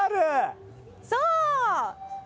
「そう！」